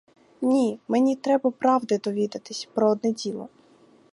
Ні, мені треба правди довідатись про одне діло.